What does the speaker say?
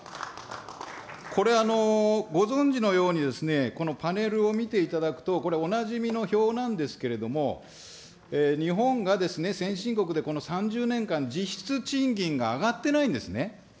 これ、ご存じのようにですね、このパネルを見ていただくと、これおなじみの表なんですけれども、日本が先進国でこの３０年間、実質賃金が上がってないんですね。